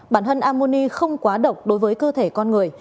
bản thân ammoni không quá độc đối với cơ thể con người